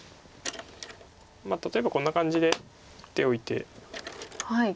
例えばこんな感じで打っておいて。